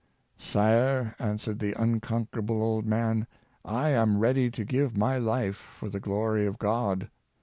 ^' Sire, ' answered the unconquerable old man, '' I am ready to give my life for the glory of God.